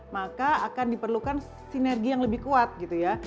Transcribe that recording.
maka akan diperlukan sinergi yang lebih kuat gitu ya